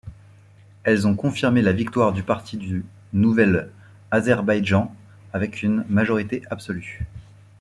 Elles ont confirmé la victoire du Parti du nouvel Azerbaïdjan, avec une majorité absolue.